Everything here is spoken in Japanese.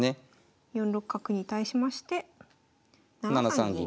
４六角に対しまして７三銀。